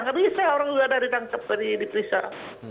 nggak bisa orang juga ada ditangkap jadi dipelisah